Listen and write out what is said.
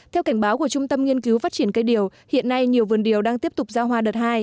theo cảnh báo của trung tâm nghiên cứu phát triển cây điều hiện nay nhiều vườn điều đang tiếp tục ra hoa đợt hai